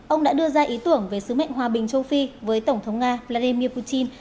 ông đã đưa ra ý tưởng về sứ mệnh hòa bình châu phi với tổng thống nga vladimir putin